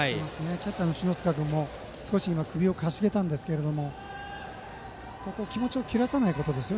キャッチャーの篠塚君も少し首をかしげましたが気持ちを切らさないことですね